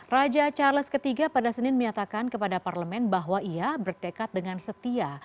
raja charles iii pada senin menyatakan kepada parlemen bahwa ia bertekad dengan setia